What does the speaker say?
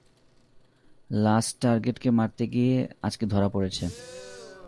Last টার্গেটকে মারতে গিয়ে আজকে ধরা পড়েছে।